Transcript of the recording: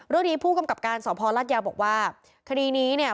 รวมดีผู้กำกับการสมภรรณรัฐยาวบอกว่าคณีนี้เนี้ย